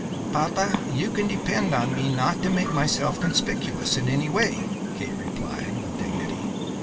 "Papa, you can depend on me not to make myself conspicuous in any way," Kate replied, with dignity.